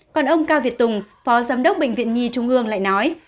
còn ông cao việt tùng phó giám đốc bệnh viện nhi trung ương lại nói